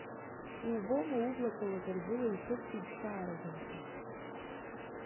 Иубома ублақәа лаӷырӡыла иҭәырц егьшаарыгымхаз.